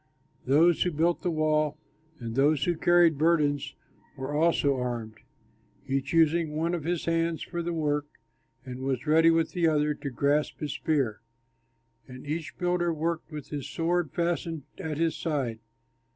Those who built the wall and those who carried burdens were also armed, each using one of his hands for the work, and was ready with the other to grasp his spear. And each builder worked with his sword fastened at his side.